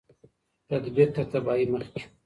تدبیر تر تباهۍ مخکي